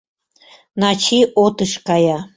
Начи отыш кая.